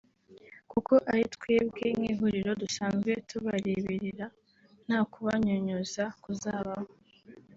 kuko ari twebwe nk’ihuriro dusanzwe tubareberera nta kubanyunyuza kuzabaho